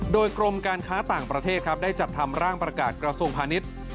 โดยกรมการค้าต่างประเทศครับได้จัดทำร่างประกาศกระทรวงพาณิชย์